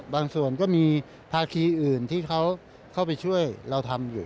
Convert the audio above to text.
ส่วนก็มีภาคีอื่นที่เขาเข้าไปช่วยเราทำอยู่